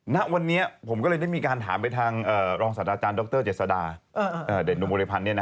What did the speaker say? ณวันนี้ผมก็เลยได้มีการถามไปทางรองศาสตราจารย์ดรเจษดาเดชนหนุ่มบริพันธ์